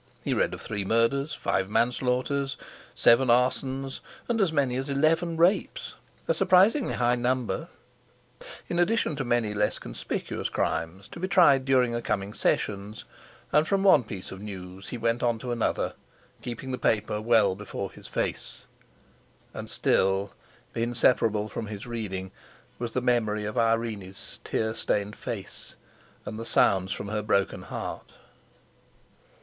He read of three murders, five manslaughters, seven arsons, and as many as eleven rapes—a surprisingly high number—in addition to many less conspicuous crimes, to be tried during a coming Sessions; and from one piece of news he went on to another, keeping the paper well before his face. And still, inseparable from his reading, was the memory of Irene's tear stained face, and the sounds from her broken heart.